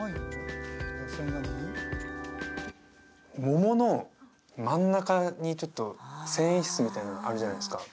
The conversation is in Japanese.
桃の真ん中にちょっと繊維質みたいなのあるじゃないですか